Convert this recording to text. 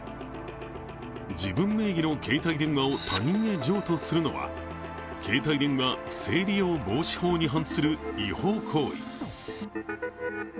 自分名義の携帯電話を他人へ譲渡するのは携帯電話不正利用防止法に反する違法行為。